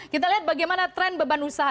kita lihat bagaimana tren beban usaha